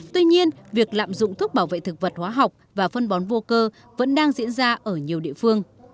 tuy nhiên việc lạm dụng thuốc bảo vệ thực vật hóa học và phân bón vô cơ vẫn đang diễn ra ở nhiều địa phương